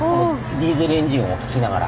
ディーゼルエンジンを聞きながら。